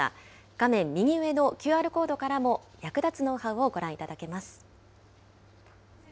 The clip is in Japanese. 画面右上のＱＲコードからも役立つノウハウをご覧いただけます。